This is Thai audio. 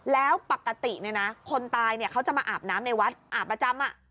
แล้วปกติเนี่ยนะคนตายเนี่ยเขาจะมาอาบน้ำในวัดอาบประจำอะ